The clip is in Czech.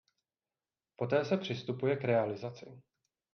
Poté se přistupuje k realizaci.